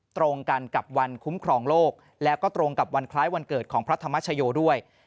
ตรงกันกับวันคุ้มครองโลกแล้วก็ตรงกับวันคล้ายวันเกิดของพระธรรมชโยด้วย